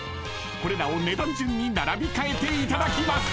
［これらを値段順に並び替えていただきます］